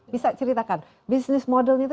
bisa ceritakan bisnis modelnya itu